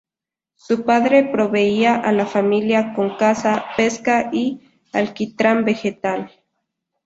Su padre proveía a la familia con caza, pesca y alquitrán vegetal.